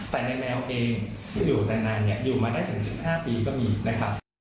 แต่ในแมวเองอยู่กลางทีเมื่อ๑๕ปีก็มี